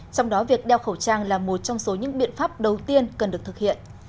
trong đó việc đeo khẩu trang là một trong số những biện pháp đầu tiên cần được thực hiện